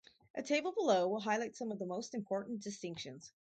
A table below will highlight some of the most important distinctions.